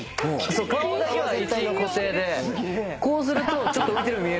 顔だけは位置固定でこうするとちょっと浮いてるように見えるんすよ。